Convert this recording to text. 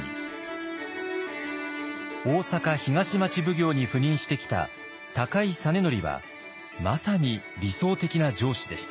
大坂東町奉行に赴任してきた高井実徳はまさに理想的な上司でした。